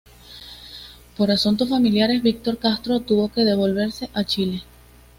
Por asuntos familiares, "Víctor Castro" tuvo que devolverse a Chile.